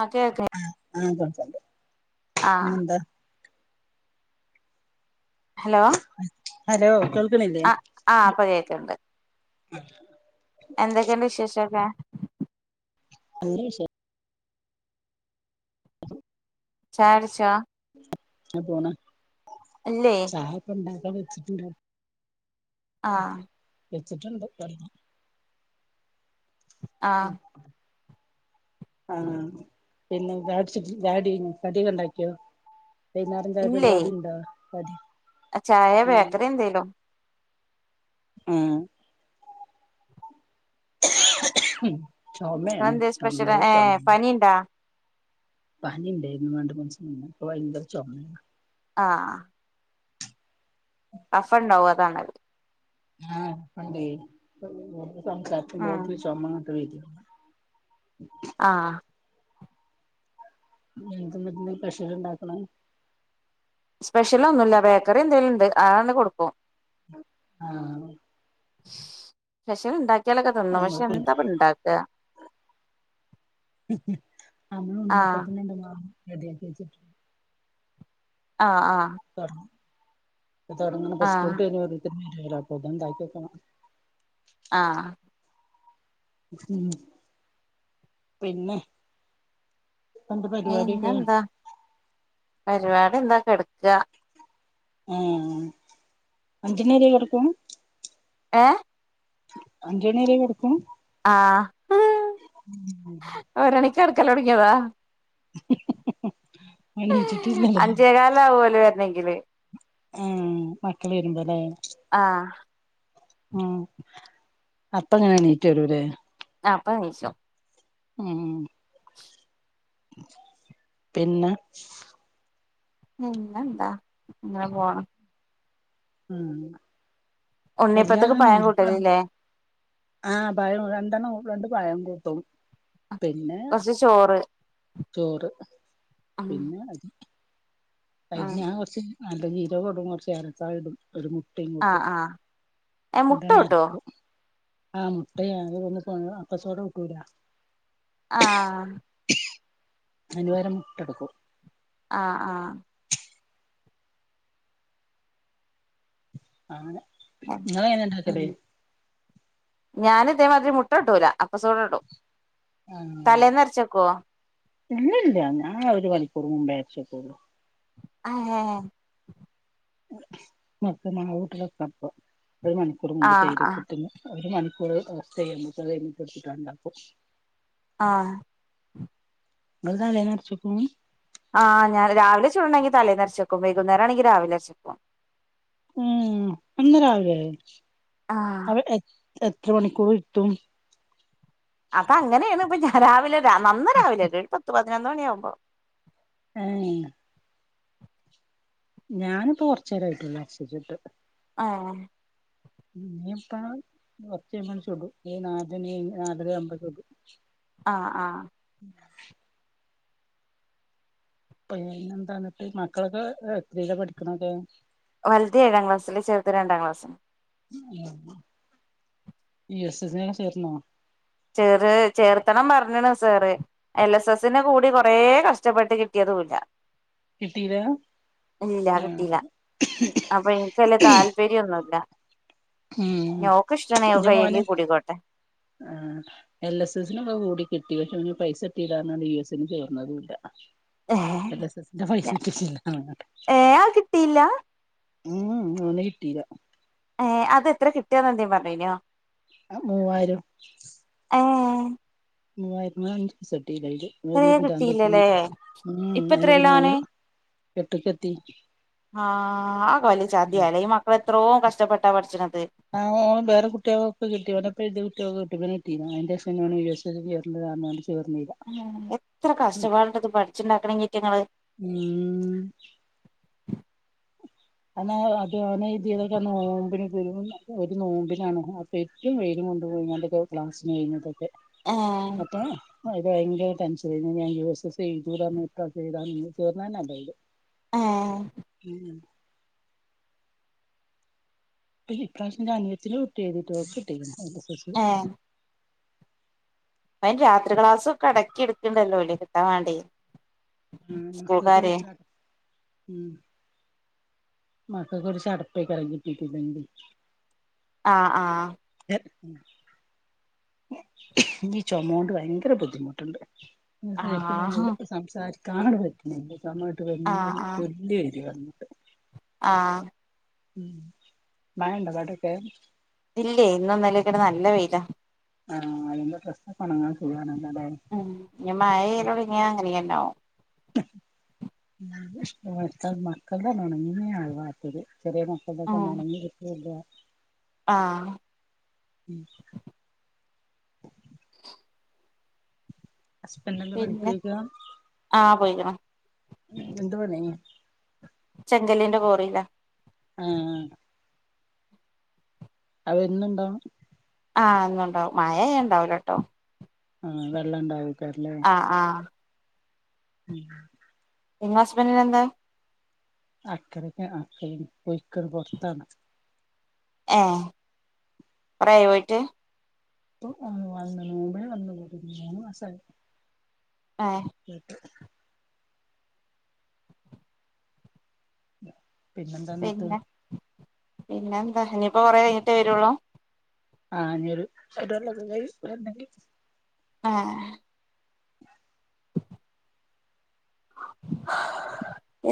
ആ കേൾക്ക്‌ണ് ആ സംശയണ്ട് പിന്നെന്താ ഹലോ ഹലോ കേൾ അ ആ ഇപ്പ കേക്ക്ണ്ട്. എന്തൊക്കെ ഇണ്ട് വിശേഷൊക്കെ? നല്ല വിശേ ചായടിച്ചോ? ആ പോണ്. ഇല്ലേ ചായപ്പണ്ട ഇപ്പ വെച്ചിട്ടൊള്ളു ആ വെച്ചിട്ട്ണ്ട് [unintelligible] ആ മ് ആ പിന്നേ ചായട്ച്ചിട്ട് ചായടിഴിഞ്ഞോ കടി ഒക്കെ ഇണ്ടാക്കിയോ? ഇല്ലേ ചായ ബേക്കറി എന്തേലും. ആ ചൊമയാണ് അതെന്തേ സ്പെഷല എന്തോ ഏ ചൊമയാണ് പനിയിണ്ടോ പനി ഉണ്ടായിരുന്നു രണ്ട് മൂന്നൂസം മുന്നേ ഇപ്പം ഭയങ്കര ചൊമേണ് ആ അഫം ഇണ്ടാവു അതാണ് അത് ആ പണ്ടേ ഉം [unintelligible] ആ [unintelligible] പ്രഷർ ഇണ്ടാക്കണ സ്പെഷ്യല ഒന്നുല്ല ബേക്കറി എന്തെലുണ്ട് അതങ്ങ് കൊടുക്കും ആ വശ് ഉണ്ടാക്കിയാലൊക്കെ തിന്നും പക്ഷെ നമ്മക്ക് എന്താ പറ ഉണ്ടാക അമ്മ ആ [unintelligible] അതെകെച്ചിട്ട് ആ ആ [unintelligible] ആ അപ്പോക്കെ ഉണ്ടാക്കി വെക്കണം ആ ഉം പിന്നെ പണ്ട് പരിവാടിയൊക്കെ പിന്നെന്താ പരിപാടി എന്താ കെടക്കുക ഏയ് അഞ്ചണെരി കിടക്കും ഏ അഞ്ചുമണിവരെ കിടക് ആ ഒരണി കിടകളോടങ്ങിയതാ എണീറ്റിട്ടില്ലല്ലേ അഞ്ചേ കാൽ അവുല്ലേ ല്ലങ്കില് ആ മക്കൾ വരുമ്പോലേ ആഹ് മ് അപ്പ എങ്ങനെനീറ്റ് വരൂലെ അപ്പനിച്ചോ മ് പിന്നെ പിന്നെന്താ ഇങ്ങനെ പോണ് ഉം ഉണ്ണിപ്പത്തേക്ക് പയം കൂട്ടലിലേ ആ പയം രണ്ടെണ്ണം രണ്ട് പയം കൂട്ടും പിന്നെ കൊറച്ച് ചോറ് ചോറ് ഉം പിന്നെ [unintelligible] ഉം ഞാ കൊറ്ച്ച് നല്ല ജീരകൊടും കൊറച്ച് ഏലക്കായിടും ഒരു മു ആ ആ എ മുട്ട കൂട്ടോ അരക്കും ആ മുട്ടയാ അത് അപ്പസോഡ കൂട്ടൂല ആ അനിപരം മുട്ടെടുക്കും ആ ആ അങ്ങ്നെ ഞാന് തേമാതിരി മുട്ട കൂട്ടൂല അപ്പസോഡടും ആ തലേന്നരച്ചക്കോ ഇല്ലില്ല ഞാൻ ഒരു മണിക്കൂർ മുമ്പേ അരച്ചെക്കുള്ളൂ ആഹേ [unintelligible] ഒരു മണിക്കൂറ് മുമ്പെ ആഹ് ആഹ് [unintelligible] ഒരു മണിക്കൂർ അവസ്ഥ ചെയ്യുമ്പോക്ക [unintelligible] ആ ങ്ങള്തലേന്നരച്ചെക്കും ആ ഞാന് രാവിലെ ചൂടണ്ടെങ്കിൽ തലേന്നരച്ചെക്കും വൈകുന്നേരം ആണെങ്കിൽ രാവിലെ അരച്ചെക്കും ഉം അന്ന് രാവിലെ ആഹ് അവിടെ എത്ര മണിക്കൂറിട്ടും അപ്പ അങ്ങനെയാണ് ഇപ്പ ഞ രാവിലെ ല്ല നന്ന രാവിലല്ല ഒരുപത്ത്പത്ത ന്നൊണ്യ യാമ്പൊ ഏ ഞാനിപ്പൊറച്ചേരായിട്ടുള്ളൂ അരച്ച് വച്ചിട്ട് ആ ഇനിപ്പ കുറ്ച്ചഴിമ്പം ചുടും നാല്ണികഴ നാലര ആമ്പ ചുടും ആ ആ പെ എന്താണപ്പ മക്കളൊക്കെ എത്രീല പഠിക്കണത് വലുത് ഏഴാം ക്ലാസില്ല് ചെറുത് രണ്ടാം ക്ലാസ്സ് ആ ഇ എസ് എസി ന് ചേർന്നോ ചെറ് ചേർത്തണം പറഞ്ഞണ് സാറ് എൽ എസ് എസിന് കൂടി കൊറേ കഷ്ടപ്പെട്ട് കിട്ട്യതുല്ല കിട്ടീലാ ഇല്ല കിട്ടീല ആഹ് അപ്പൊ എനിക്ക് വെല്യ താല്പര്യൊന്നുല്ല ഉം ഓക്ക് ഇഷ്ടാണെ ഓക്ക് ന്റെമോന് കയ്യെങ്കി കൂടിക്കോട്ടെ ആ എൽ എസ് എസിനൊക്കെ കൂടി കിട്ടി പക്ഷെ പൈസ കിട്ടിലന്നറഞ്ഞ് യു എസ്സിന് ചേർന്നതൂല്ല ഏഹ് എല്ലസ്സെസിന്റെ പൈസ [unintelligible] ഏഹ് അത് കിട്ടിയില്ല ഉം ഓന് കിട്ടീല്ല ഏഹ് അത് എത്ര കിട്ടിയാന്ന് എന്തേു പറഞ്ഞെനോ ആ മൂവായിരം ഏഹ് മൂവായിരത്ന് അഞ്ച് സൈ [unintelligible] കിട്ടിയില്ലല്ലേ ഉം ഇപ്പ അയിന് പിന്നെ എത്രേലാണ് ഓന് എട്ട്ക്കെത്തി ആ ആ കൊലചദ്യാല്ലേ ഈ മക്കളെത് എത്രോം കഷ്ടപ്പെട്ടാ പഠിച്ചണത് ആഓ വേറെ കുട്ടിഓകൊക്കെ കിട്ടി ഇവർടൊപ്പെഴുതിയ കുട്ടികക് ഇവനീട്ടി ഞാഅയിൻ്റെ സെന്നാണ് യൂസെഴുതി [unintelligible] എത്ര കഷ്ടപ്പാടുണ്ട്ത് പഠിച്ചിണ്ടാക്കണെങ്കി ഈറ്റിങ്ങള് ഉം അന്ന് അത് ഓന് ഇതിതൊക്കെ നോമ്പിനൊക്കെരു ഒരു നോമ്പിനാണ് അപ്പേറ്റവും വേഗം കൊണ്ടുപോയി ഓൻ്റെക്കെ ക്ലാസ്സ്കഴിഞ്ഞിട്ടൊക്കെ ആഹ് അ അത് ഭയങ്കര ടെൻഷനാരുന്നു ഞാൻ യുഎസ്എസ് എഴുതു ഏ [unintelligible] ഉം പ്പിഈ പ്രാശ്യം ൻ്റെഅനയത്തിൻ്റെ കുട്ടി എഴുതീട്ട് ഓക്ക് കിട്ടിരിക്കുന്നു [unintelligible] ഏ അയ്ൻ രാത്രി ക്ലാസ്സൊക്കെടെക്കെടുക്ക്ണ്ടല്ലോല്ലേ കിട്ടാം വേണ്ടി ആഹ് സ്കൂൾക്കാര് മക്ക്കഴിച്ചാ ഉം മക്കക്ക്കൊറച്ചട്പ്പേ പെറങ്ങിട്ടീ [unintelligible] ണ്ട് ആ ആ ൻ്റീ ചൊമോണ്ട് ഭയങ്കര ബുദ്ധിമുട്ട്ണ്ട് ആ [unintelligible] നമക്ക് സംസാരി കാണടുത് നിക്ക് സമ ഇട്ട് വല്ല്യൊരു വല്ല്യ രീതിവേണം ആഹ് ഉം മായണ്ടൊ വേടേക്കെ ഇല്ലെ ഇന്നൊന്നിലക്കെടെ നല്ല വെയിലാ ആഹ് അയെന്തോ പ്രശ്നിപ്പണങ്ങാൻ ഫുള്ളൊണങ്ങാൻ ഉ ഞ്ഞമയയിലൊടങ്ങിയാ അങ്ങനെയേണ്ടാവും തു ഇഷ്ടടുത്തൽ മക്കൾ താ നനങ്ങമേ ആൾവാത്തത് ചെറിയ മക്കൾതൊക്കെ ഉം ഒന്നൊണങ്ങി കിട്ടിയത് ആ ഉം ഹസ്ബെൻ്റെന്താ പിന്നെ പണിക്കൊയേക്കാ ആ പോയിക്ക്ണ് എന്തുപണി ചെങ്കലിന്റെ പോറീലാ ആആഹ് അവെന്നുണ്ടാ ആഹ് എന്നുണ്ടാവും മയയായ ഇണ്ടാവിലാട്ടോ ആ വെള്ളണ്ടാവും ആഹ് ആ [inaudible] [inaudible] നിങ്ങളെ ഹസ്ബന്റിന് എന്താ അക്കരക്കു ആ [unintelligible] പൊയ്ക്കത് പുറത്താന് ആഹ് കുറേ ആയോ പോയിട്ട് [inaudible] ഏ [inaudible] [inaudible] [inaudible] പിന്നെ എന്താ ഇനി ഇപ്പം കുറേ കഴിഞ്ഞിട്ടേ വരുവൊള്ളൂ [inaudible] ആഹ് [inaudible]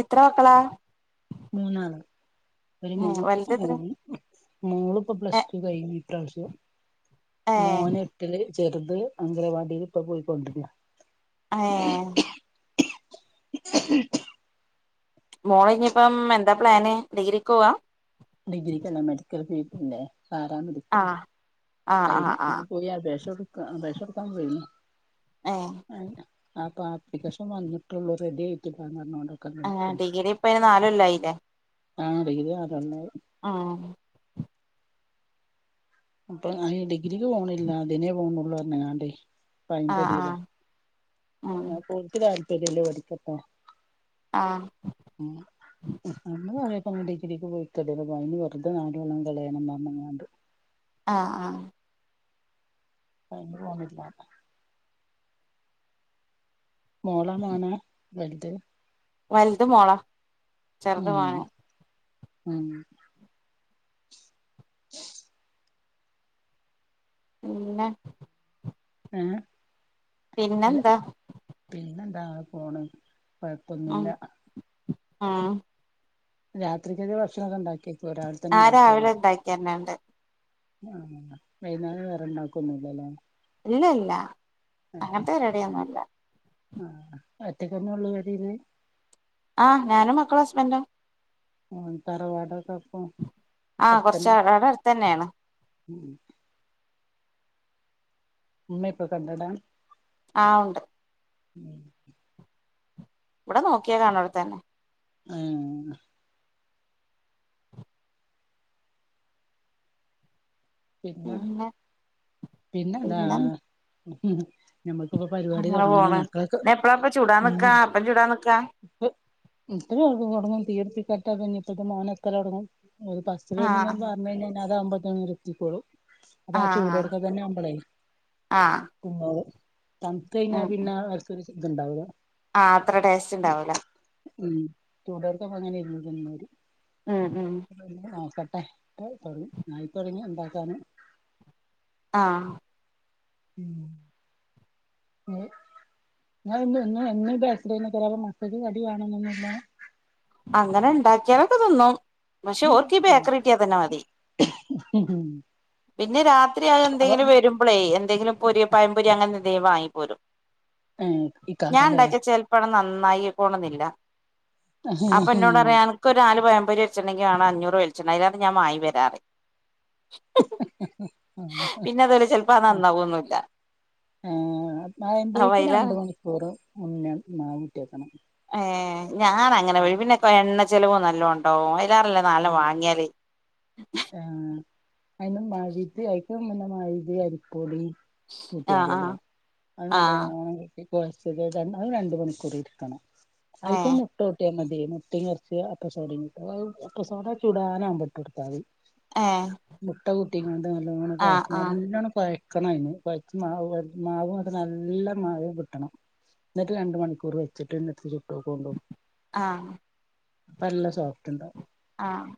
എത്ര മക്കളാ മൂന്നാറ് ഏഹ് വലുത് എത്ര [inaudible] ഏഹ് [inaudible] ഏഹ് [inaudible] ചെറുത് അംഗൻവാടിയിൽ ഇപ്പം പോയി കൊണ്ടിരിക്കുവാ ആഹ് [inaudible] മോൾ ഇനി ഇപ്പം എന്താ പ്ലാനെ ഡിഗ്രിക് പോവാ ഡിഗ്രിക് അല്ല മെഡിക്കൽ ഫീൽഡിന്റെ സാധാരണരീതിക് ആഹ് ആഹ് അയിന് ആഹ് ആഹ് പുതിയ അപ്ഡേഷൻ ഒന്ന് ഏഹ് [inaudible] ആഹ് ആ പാർട്ടി കഷ്ണം വന്നിട്ടുള്ളൂ റെഡി ആയിട്ടില്ല [inaudible] [inaudible] [inaudible] കാണാൻ കഴിയുന്നത് അത് അന്നേരം [inaudible] [inaudible] ഭയങ്കര ഇതാ ആഹ് ആഹ് ഉം പോയിട്ട് കാര്യ പ്പ ഇതില് പഠിക്കട്ടെ ആഹ് [unintelligible] ഡിഗ്രിക്ക് [unintelligible] വെറുതെ നാല് കൊല്ലം കളയണം [unintelligible] ആ ആ [unintelligible] മോളാ മോനാ വലുത് വലുത് മോളാ ചെറുത് ഉം മോന് ഉം പിന്ന [unintelligible] പിന്നെന്താ ത പോണ കുഴപ്പമൊന്നുല്ല ആ രാത്രിക്ക ഭക്ഷണംഒക്കെഒണ്ടാക്കി ആ രാവിലെ ഉണ്ടാക്കരണുണ്ട് ആഹ വൈകുന്നാലം വേറെണ്ടാക്കൊന്നുംഇല്ലാലോ ഇല്ല ഇല്ല അങ്ങനത്തെ ഒരിടിയൊന്നുംല്ല ആ അറ്റക്കന്നള്ള [unintelligible] ആഹ ഞാനും മക്കളും ഹസ്ബൻഡ് അ തറവാടക്ക ആഹ കുറച്ച അടെ അടു തന്നെയാണ് ഉം ഉമ്മ ഇപ്പൊ കണ്ടടാ ആ ഉണ്ട് ഉം ഇവിടെ നോക്കിയാ കാണ അവിടെത്തന്നെ ആഹ പിന്നെ പിന്നെ എന്താ ഉ ഞമ്മക്കിപ്പോ പരിപാടി അങ്ങനെ തുടങ്ങണേ പോണ് മക്കൾക്ക് പിന്നെ എപ്പഴാപ്പ ചൂടാൻ ഉ നിക്കാ അപ്പം ചൂടാൻ നിക്കാ ഇപ്പ ഇത്ര തുടങ്ങ തീർപ്പ കെട്ട പിെന്ന ഇപ്പൊ മനക്കലോടങ്ങും ഒരു പസ്ന്ന് ആഹ് പറഞ്ഞ അത് അമ്പത് ത [unintelligible] ഇപ്പോഴോ അപ്പൊ ആ ചൂട് ആഹ് കൊടുക്കാെ തന്നെ അമ്പളേ ആഹ് കുന്നള് തണുത്ത് കഴിഞ്ഞാ പിന്നെ ഇതുണ്ടാവുക ആ അത്ര ടേസ്റ്റ് ഉണ്ടാവൂല ഉ തുടർക്കപ്പ അങ്ങനെ ഇരുന്നു തന്നര് ഉം ഉം [inaudible] തുടങ്ങി നഞയി [unintelligible] തുടങ്ങി താണ് ആഹ [unintelligible] അങ്ങന ഒണ്ടാക്കിയാലൊക്കെ തിന്നും പക്ഷെ അവർക്കീ ബേക്കറി കിട്ടിയാ തന്നെ മതി പിന്നെ രാത്രിആയ അപ്പൊ എന്തെങ്കിലും വരുമ്പളേ എന്തെങ്കിലും പൊരി പയമ്പൊരി അങ്ങനെ എന്തെങ്കിലും വാങ്ങി പോരും ഏഹ് ഞാൻ ഇക്കാക്കല്ലേ ഇണ്ടാക്കിയ ചെലപ്പഴ് നന്ന ആയിക്കോണന്നില്ല അപ്പ എന്നോട് പറയും എനക്കൊരു [unintelligible] [unintelligible] അഞ്ഞൂറ് [unintelligible] അതാണ് ഞാൻ വാങ്ങി വരാറ് [unintelligible] പിന്നെ അതുപോലെ ചെലപ്പോ അത് നന്നാവൊന്നുല്ല ആ [unintelligible] അപ്പൊ അയിലേറെ രണ്ട് മണിക്കൂറ് [unintelligible] ഏ ഞാൻ അങ്ങനെ വഴി പിന്നെ കൊറെ എണ്ണ ചിലവ് നല്ലോ ഒണ്ടാവൊ [unintelligible] [unintelligible] നാലെണ്ണം വാങ്ങിയല് [unintelligible] അയിനും മൈദ [unintelligible] പിന്നെ മൈദേ അരിപൊടീ ആഹ് കൂട്ടിയതിയല്ലോ അത് ആഹ് നല്ലോണം കൂട്ടി കൊഴച്ചത് അത് രണ്ട് മണിക്കൂറിരിക്കണം. ആയികക്കോ ആഹ് മുട്ട കൂട്ടിയാ മതി അതെ മുട്ടയും എറച്ചിയും അപ്പ സോഡയും കൂട്ടുക. അപ്പ സോഡ ചൂടാനാവുമ്പോ ഇട്ടുകൊടുത്താ മതി ഏ ഏ മുട്ടയും ട്ടികാണ്ട് നല്ലോണം കോഴ ആഹ് ആഹ് നല്ലോണം കോഴ ക്കണം അയിന് കൊയക്കും മാണം മാവ് ങ്ങട്ട് നല്ല മയം കിട്ടണം എന്നിട്ട് രണ്ട് മണിക്കൂറ് വെച്ചിട്ട് ഒന്ന് എടുത്ത് ചുട്ട് നോക്കൊണ്ടു. ആഹ് അപ്പ നല്ല സോഫ്റ്റുണ്ടാകും ആഹ്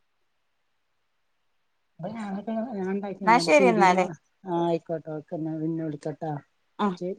അപ്പ ഞാനോക്കെ ങ്ങളെ ഞാൻ എന്നാ ഉണ്ടാകീണല്ലോ ശരി പിടീന്ന് എന്നാല് വാ ആ വെക്കട്ടോ വെക്ക എന്നാ പിന്നെ വിളിക്ക ട്ടാ ഉം ശെരി